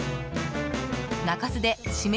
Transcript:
中洲で締め